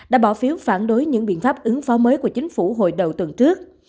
đã bỏ phiếu phản đối những biện pháp ứng phó mới của chính phủ hồi đầu tuần trước